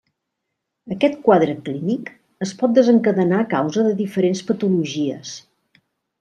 Aquest quadre clínic es pot desencadenar a causa de diferents patologies.